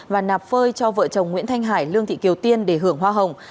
và nạp phơi cho vợ chồng nguyễn thanh hải lương thị kiều tiên để hưởng hoa hồng